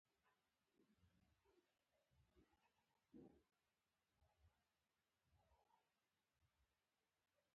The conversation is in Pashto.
افغانستان جوړیدونکی دی